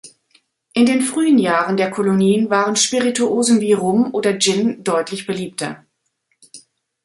In den frühen Jahren der Kolonien waren Spirituosen wie Rum oder Gin deutlich beliebter.